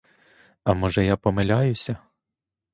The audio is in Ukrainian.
А може я помиляюсь?